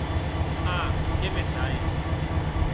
A!, qué me sai!